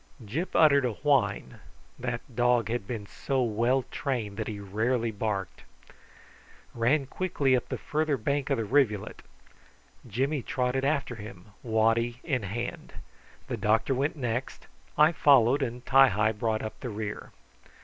Gyp uttered a whine that dog had been so well trained that he rarely barked ran quickly up the further bank of the rivulet; Jimmy trotted after him, waddy in hand; the doctor went next, I followed, and Ti hi brought up the rear.